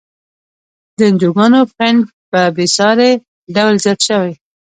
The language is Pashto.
د انجوګانو فنډ په بیسارې ډول زیات شوی.